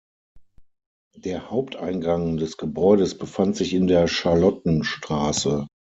Der Haupteingang des Gebäudes befand sich in der Charlottenstraße.